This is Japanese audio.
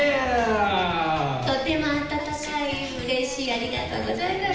とっても温かい、うれしい、ありがとうございます。